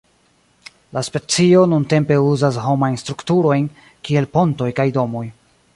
La specio nuntempe uzas homajn strukturojn kiel pontoj kaj domoj.